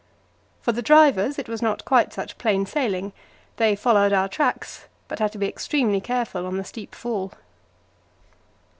For the drivers it was not quite such plain sailing: they followed our tracks, but had to be extremely careful on the steep fall.